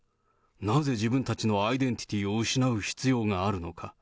なぜ自分たちのアイデンティティーを失う必要があるのか。